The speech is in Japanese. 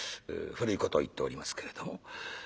古いことを言っておりますけれども。